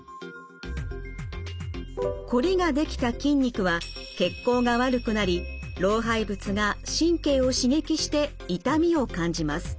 こりができた筋肉は血行が悪くなり老廃物が神経を刺激して痛みを感じます。